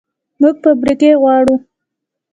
موږ فابریکې غواړو